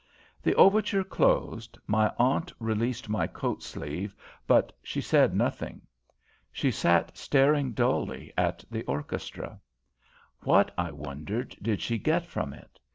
The overture closed, my aunt released my coat sleeve, but she said nothing. She sat staring dully at the orchestra. What, I wondered, did she get from it?